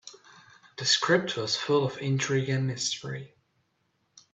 The script was full of intrigue and mystery.